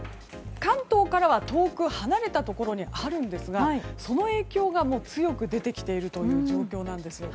関東からは遠く離れたところにあるんですが、その影響が強く出てきている状況です。